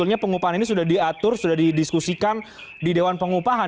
sebetulnya pengupahan ini sudah diatur sudah didiskusikan di dewan pengupahan